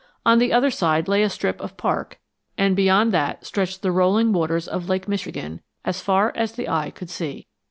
On the other side lay a strip of park, and beyond that stretched the rolling waters of Lake Michigan, as far as the eye could see.